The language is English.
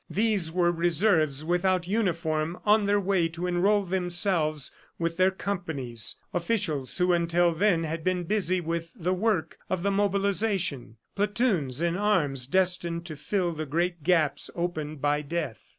These were Reserves without uniform on their way to enroll themselves with their companies, officials who until then had been busy with the work of the mobilization, platoons in arms destined to fill the great gaps opened by death.